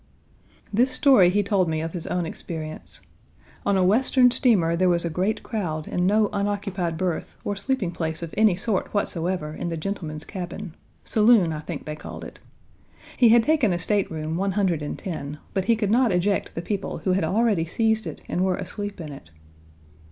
This story he told me of his own experience. On a Western steamer there was a great crowd and no unoccupied berth, or sleeping place of any sort whatsoever in the gentlemen's cabin saloon, I think they called it. He had taken a stateroom, 110, but he could not eject the people who had already seized it and were asleep in it.